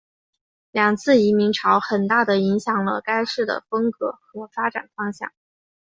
两次移民潮很大的影响了该市的风格和发展方向。